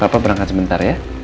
papa berangkat sebentar ya